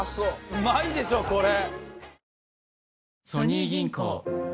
うまいでしょこれ。